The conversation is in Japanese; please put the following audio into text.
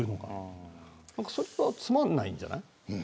それがつまらないんじゃない。